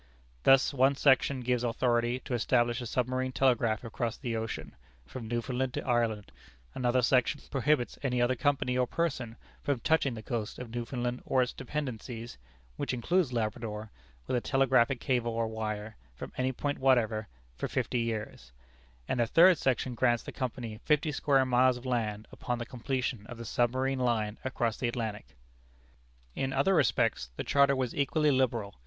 Thus one section gives authority to establish a submarine telegraph across the ocean, from Newfoundland to Ireland; another section prohibits any other company or person from touching the coast of Newfoundland or its dependencies [which includes Labrador] with a telegraphic cable or wire, from any point whatever, for fifty years; and a third section grants the Company fifty square miles of land upon the completion of the submarine line across the Atlantic. In other respects the charter was equally liberal.